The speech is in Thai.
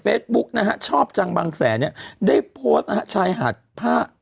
บุ๊กนะฮะชอบจังบางแสนเนี่ยได้โพสต์นะฮะชายหาดผ้า